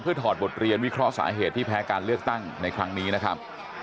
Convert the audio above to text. ถอดบทเรียนวิเคราะห์สาเหตุที่แพ้การเลือกตั้งในครั้งนี้นะครับ